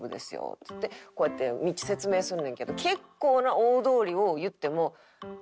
っつってこうやって道説明すんねんけど結構な大通りを言っても。